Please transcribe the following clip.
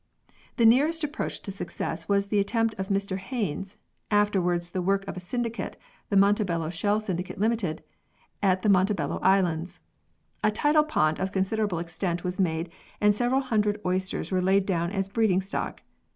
The nearest approach to success was the attempt of Mr Haynes (afterwards the work of a syndicate, the Montebello Shell Syndicate, Ltd.) at the Montebello Islands. A tidal pond of considerable extent was made and several hundred oysters were laid down as breeding stock.